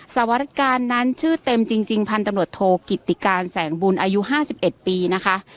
สวรรการนั้นชื่อเต็มจริงพันธุ์ตำรวจโทกิติการแสงบุญอายุ๕๑ปีนะคะ